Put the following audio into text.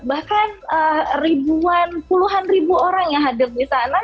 bahkan ribuan puluhan ribu orang yang hadir di sana